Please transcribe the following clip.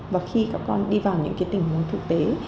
và khi các con đi vào những tình huống thực tế